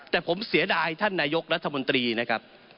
แต่ผมเสียดายท่านนายกรัฐมนตรีนะครับ